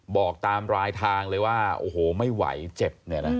บอกตามรายทางเลยว่าโอ้โหไม่ไหวเจ็บเนี่ยนะ